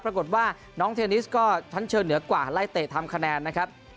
ปรากฏว่าน้องเทนนิสก็ชั้นเชิญเหนือกว่าไล่เตะทำคะแนนนะครับ